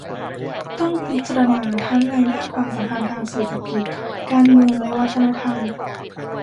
ต้องพิจารณาทั้งในด้านความสัมพันธ์ทางเศรษฐกิจ การเมืองและวัฒนธรรม